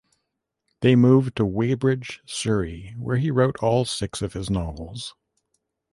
They moved to Weybridge, Surrey where he wrote all six of his novels.